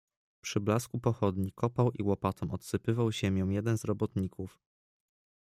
"Przy blasku pochodni kopał i łopatą odsypywał ziemią jeden z robotników."